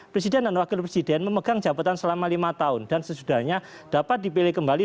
presiden dan wakil presiden memegang jabatan selama lima tahun dan sesudahnya dapat dipilih kembali